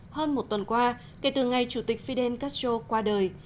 hơn một tuần qua kể từ ngày chủ tịch fidel castro qua đời